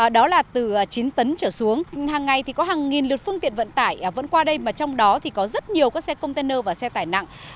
đó là từ chín tấn trở xuống hàng ngày thì có hàng nghìn lượt phương tiện vận tải vẫn qua đây mà trong đó thì có rất nhiều các xe container và xe tải nặng